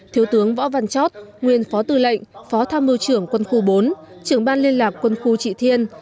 thiếu tướng võ văn chót nguyên phó tư lệnh phó tham mưu trưởng quân khu bốn trưởng ban liên lạc quân khu trị thiên